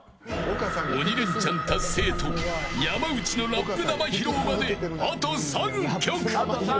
鬼レンチャン達成と山内のラップ生披露まであと３曲。